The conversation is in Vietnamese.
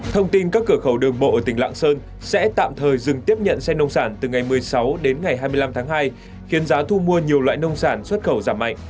thông tin các cửa khẩu đường bộ ở tỉnh lạng sơn sẽ tạm thời dừng tiếp nhận xe nông sản từ ngày một mươi sáu đến ngày hai mươi năm tháng hai khiến giá thu mua nhiều loại nông sản xuất khẩu giảm mạnh